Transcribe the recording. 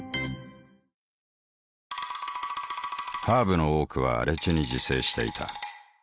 ハーブの多くは荒地に自生していた。